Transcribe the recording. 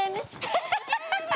ハハハハハ！